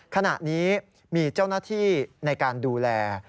ขณะนี้มีเจ้าหน้าที่ในการดูแล